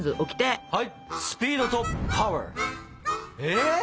えっ？